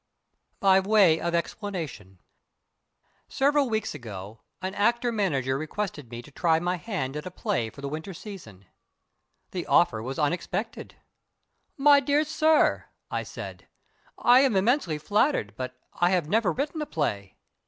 "_ BY WAY OF EXPLANATION Several weeks ago an actor manager requested me to try my hand at a play for the winter season. The offer was unexpected. "My dear sir," I said, "I am immensely flattered, but I have never written a play."